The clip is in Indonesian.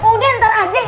udah ntar aja